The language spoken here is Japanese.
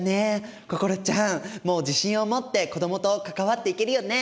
心ちゃんもう自信を持って子どもと関わっていけるよね？